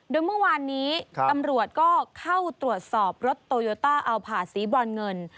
โดยเมื่อวานนี้ตำรวจก็เข้าตรวจสอบรถโตโยต้าอัลผ่าสีบรอนเงิน